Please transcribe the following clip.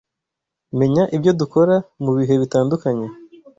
Menya ibyo dukora mu bihe bitandukanye